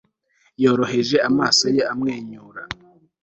Yoroheje amaso ye amwenyura